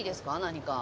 何か。